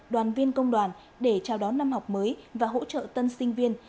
đoàn viên công đoàn để chào đón năm học mới và hỗ trợ tân sinh viên